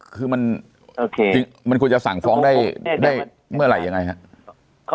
คือมันควรจะสั่งฟ้องได้เมื่อไหร่ยังไงครับ